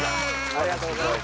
ありがとうございます。